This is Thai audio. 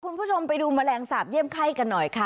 คุณผู้ชมไปดูแมลงสาปเยี่ยมไข้กันหน่อยค่ะ